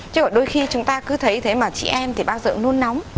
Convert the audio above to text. chứ đôi khi chúng ta cứ thấy thế mà chị em thì bao giờ cũng luôn nóng